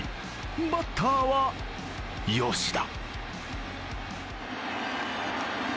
バッターは吉田。